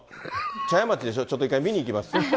茶屋町でしょ、ちょっと一回見に行きます。